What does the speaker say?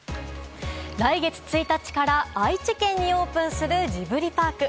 来月１日から、愛知県にオープンするジブリパーク。